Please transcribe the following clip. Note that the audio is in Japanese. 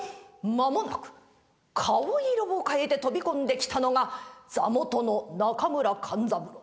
間もなく顔色を変えて飛び込んできたのが座元の中村勘三郎。